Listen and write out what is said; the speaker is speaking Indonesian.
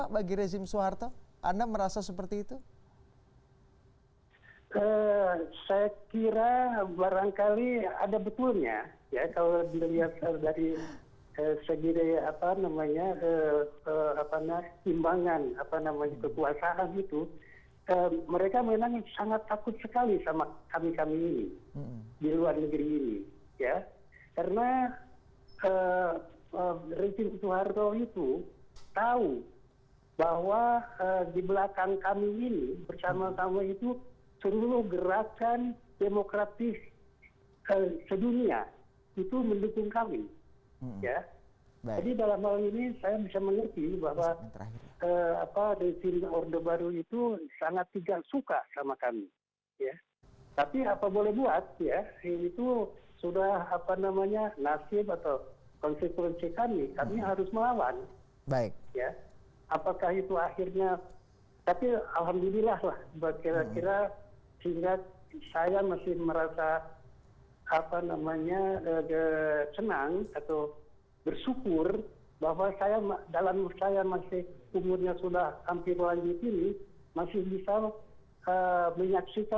beritahu saya untuk pemerintah ini ketika ada kesimpulan bahwa regime ini tidak akan lama